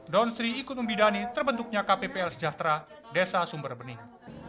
donsri ikut membidani terbentuknya kppl sejahtera desa sumberbening